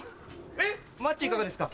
マッチいかがですか？